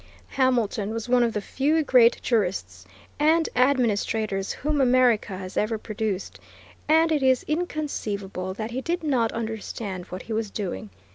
Hamilton was one of the few great jurists and administrators whom America has ever produced, and it is inconceivable that he did not understand what he was doing.